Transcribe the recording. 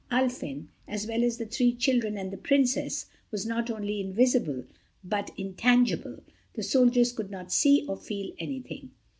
Ulfin, as well as the three children and the Princess, was not only invisible but intangible, the soldiers could not see or feel anything.